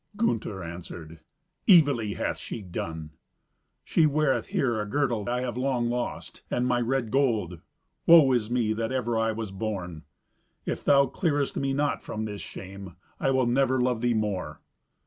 Gunther answered, "Evilly hath she done." "She weareth here a girdle I have long lost, and my red gold. Woe is me that ever I was born! If thou clearest me not from this shame, I will never love thee more."